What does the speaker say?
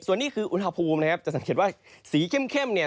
ส่วนนี้คืออุณหภูมินะครับจะสังเกตว่าสีเข้มเนี่ย